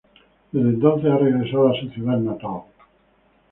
Desde entonces ha regresado a su ciudad natal.